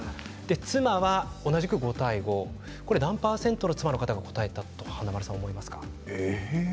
妻は同じく５対５何％の妻の方が答えたと思いますか？